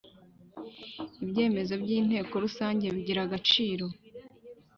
Ibyemezo by inteko rusange bigira agaciro